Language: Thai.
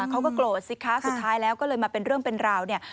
เขาก็โกรธสิคะสุดท้ายแล้วก็เลยมาเป็นเรื่องเป็นราวเนี่ย